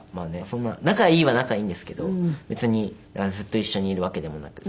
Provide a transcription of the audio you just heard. そんな仲いいは仲いいんですけど別にずっと一緒にいるわけでもなく。